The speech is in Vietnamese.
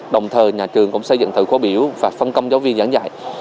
đồng thời nhà trường cũng xây dựng thờ khố biểu và phân công giáo viên giảng dạy